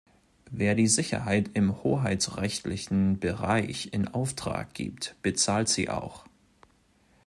Wer die Sicherheit im hoheitsrechtlichen Bereich in Auftrag gibt, bezahlt sie auch.